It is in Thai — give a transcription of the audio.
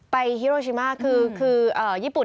ฮิโรชิมาคือญี่ปุ่น